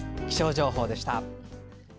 気象情報でした。